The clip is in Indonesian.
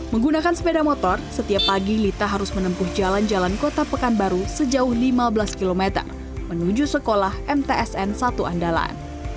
menggunakan sepeda motor setiap pagi lita harus menempuh jalan jalan kota pekanbaru sejauh lima belas km menuju sekolah mtsn satu andalan